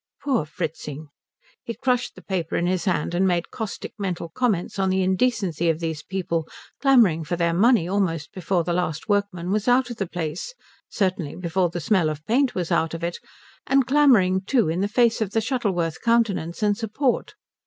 Poor Fritzing. He crushed the paper in his hand and made caustic mental comments on the indecency of these people, clamouring for their money almost before the last workman was out of the place, certainly before the smell of paint was out of it, and clamouring, too, in the face of the Shuttleworth countenance and support.